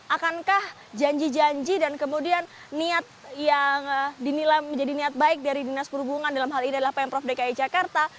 akankah janji janji dan kemudian niat yang dinilai menjadi niat baik dari dinas perhubungan dalam hal ini adalah pemprov dki jakarta